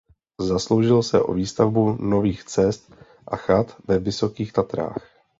Zasloužil se o výstavbu nových cest a chat ve Vysokých Tatrách.